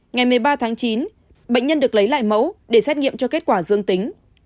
ngày một mươi ba tháng chín bệnh nhân được lấy lại mẫu để xét nghiệm cho kết quả dương tính